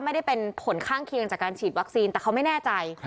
ไม่ได้เป็นผลข้างเคียงจากการฉีดวัคซีนแต่เขาไม่แน่ใจ